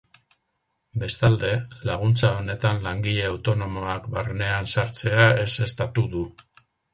Bestalde, laguntza honentan langile autonomoak barnean sartzea ezeztatu du.